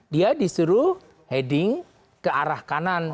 dia disuruh heading ke arah kanan